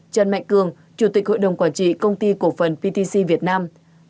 trần mạnh cường chủ tịch hội đồng quản trị công ty cổ phần ptc việt nam